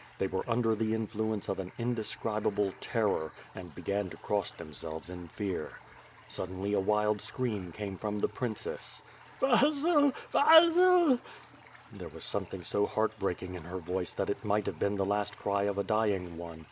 They were under the influence of an indescribable terror, and began to cross themselves in fear. Suddenly, a wild scream came from the princess. "Vasil! Vasil!" There was something so heartbreaking in her voice that it might have been the last cry of a dying one.